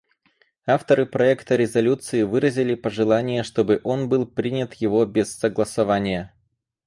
Авторы проекта резолюции выразили пожелание, чтобы он был принят его без голосования.